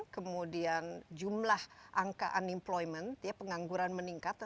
kemudian jumlah angka unemployment pengangguran meningkat